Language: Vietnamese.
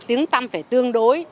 tiếng tăm phải tương đối